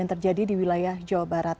yang terjadi di wilayah jawa barat